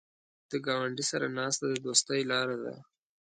د ګاونډي سره ناسته د دوستۍ لاره ده